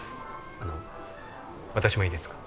あの私もいいですか？